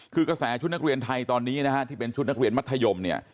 คือกระแสชุดนักเรียนไทยตอนนี้นะฮะที่เป็นชุดนักเรียนมัธยมเนี่ย